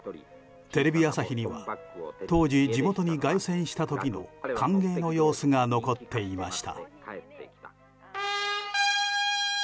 テレビ朝日には、当時地元に凱旋した時の歓迎の様子が残っていました。